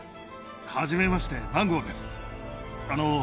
はじめまして、マンゴーです。